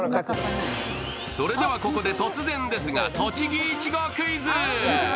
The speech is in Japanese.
それでは、ここで突然ですが栃木いちごクイズ。